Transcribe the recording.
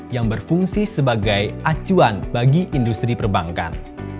yang berfungsi sebagai acuan bagi industri perbankan